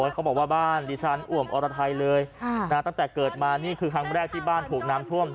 เขาบอกว่าบ้านดิฉันอ่วมอรไทยเลยตั้งแต่เกิดมานี่คือครั้งแรกที่บ้านถูกน้ำท่วม